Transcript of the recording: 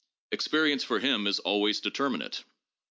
Experience for him is always determinate.